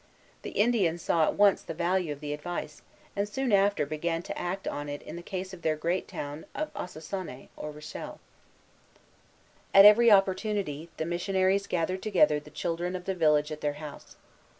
The Indians at once saw the value of the advice, and soon after began to act on it in the case of their great town of Ossossané, or Rochelle. Brébeuf, Relation des Hurons, 1636, 86. At every opportunity, the missionaries gathered together the children of the village at their house.